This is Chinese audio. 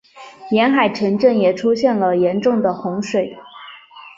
沿海城镇也出现了严重的洪水。